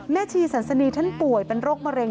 ชีสันสนีท่านป่วยเป็นโรคมะเร็